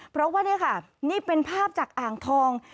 เพราะว่านี่ค่ะนี่เป็นภาพจากอ่างทอง